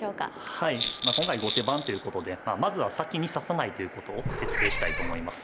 まあ今回後手番っていうことでまずは先に指さないということを徹底したいと思います。